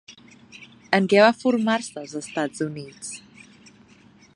En què va formar-se als Estats Units?